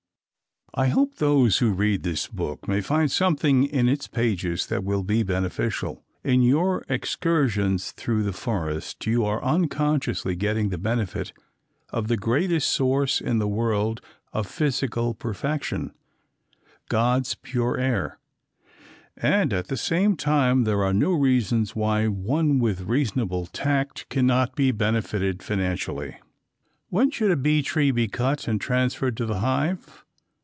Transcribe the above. I hope those who read this book may find something in its pages that will be beneficial. In your excursions through the forests you are unconsciously getting the benefit of the greatest source in the world of physical perfection God's pure air and, at the same time there are no reasons why one with reasonable tact cannot be benefited financially. When should a bee tree be cut and transferred to the hive?